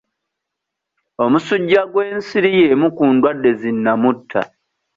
Omusujja gw'ensiri y'emu ku ndwadde zinnamutta.